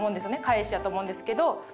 返しやと思うんですけど。